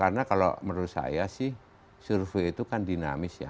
karena kalau menurut saya sih survei itu kan dinamis ya